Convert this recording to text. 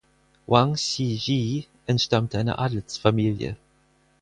Wang Xizhi entstammte einer Adelsfamilie.